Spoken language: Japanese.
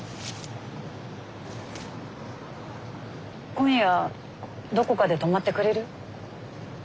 今夜どこかで泊まってくれる？